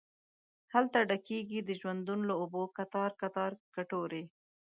هلته ډکیږې د ژوندون له اوبو کتار، کتار کټوري